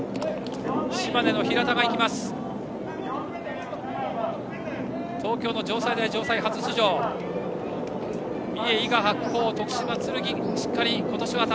島根の平田も行きました。